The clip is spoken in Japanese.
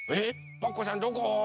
パクこさんどこ？